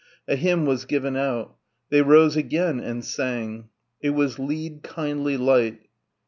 A hymn was given out. They rose again and sang. It was "Lead, Kindly Light."